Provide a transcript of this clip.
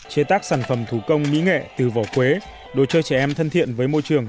chế tác sản phẩm thủ công mỹ nghệ từ vỏ quế đồ chơi trẻ em thân thiện với môi trường